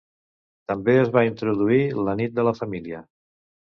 També es va introduir "la nit de la família".